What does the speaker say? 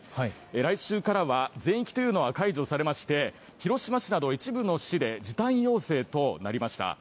来週からは全域というのは解除されまして広島市など一部の市で時短要請となりました。